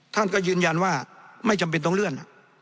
ท่านก็ยืนยันว่าไม่จำเป็นต้องเลื่อน